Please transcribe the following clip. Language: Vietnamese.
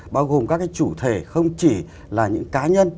bao gồm các cái chủ thể không chỉ là những cá nhân